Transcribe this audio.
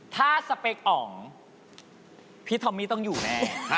ถ้าสเปคอ๋องพี่ทอมมี่ต้องอยู่แน่